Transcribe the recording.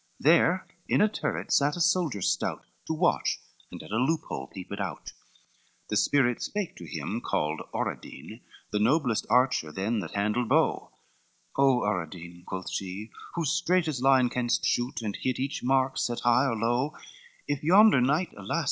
There in a turret sat a soldier stout To watch, and at a loop hole peeped out; CI The spirit spake to him, called Oradine, The noblest archer then that handled bow, "O Oradine," quoth she, "who straight as line Can'st shoot, and hit each mark set high or low, If yonder knight, alas!